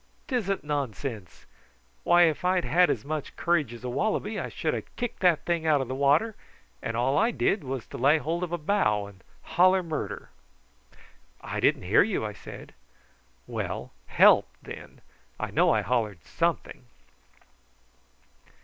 "'Tisn't nonsense! Why, if I'd had as much courage as a wallaby I should have kicked that thing out of the water; and all I did was to lay hold of a bough and holler murder!" "I didn't hear you," I said. "Well, help! then. I know I hollered something."